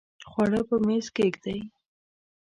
خواړه په میز کښېږدئ